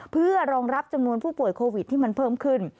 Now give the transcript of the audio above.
เพื่อรองรับจำนวนผู้ป่วยโควิดที่มันเพิ่มขึ้น